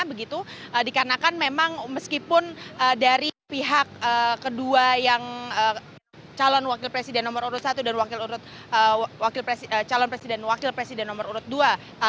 begitu dikarenakan memang meskipun dari pihak kedua yang calon wakil presiden nomor urut satu dan wakil presiden nomor urut dua